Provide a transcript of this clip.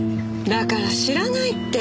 だから知らないって。